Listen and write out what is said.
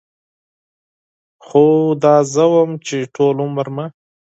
خو دا زه وم چې ټول عمر مې